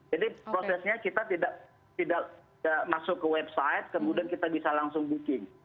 jadi prosesnya kita tidak masuk ke website kemudian kita bisa langsung booking